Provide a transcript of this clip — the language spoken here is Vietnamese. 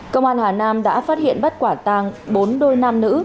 công an hà nam đã phát hiện bắt quả tàng bốn đôi nam nữ